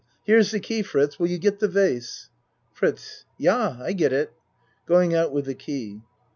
Here's the key, Fritz, will you get the vase? FRITZ Yah, I get it. (Going out with the key.)